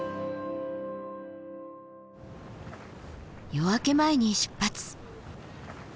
夜明け前に出発。